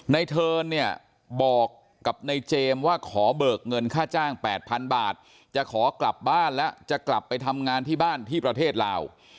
เทิร์นเนี่ยบอกกับในเจมส์ว่าขอเบิกเงินค่าจ้าง๘๐๐๐บาทจะขอกลับบ้านแล้วจะกลับไปทำงานที่บ้านที่ประเทศลาว